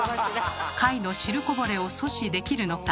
貝の汁こぼれを阻止できるのか？